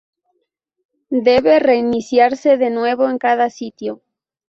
Debe reiniciarse de nuevo en cada sitio.